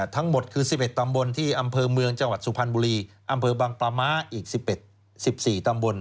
ทั้งหมดคือ๑๑ตำบลที่อำเภอเมืองจังหวัดสุพรรณบุรีอำเภอบังปลาม้าอีก๑๑๑๔ตำบล